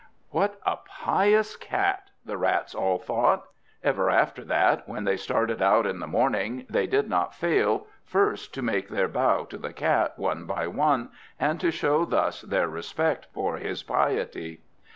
"What a pious Cat!" the Rats all thought. Ever after that, when they started out in the morning, they did not fail first to make their bow to the Cat one by one, and to show thus their respect for his piety.